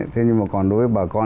thế nhưng mà còn đối với bà con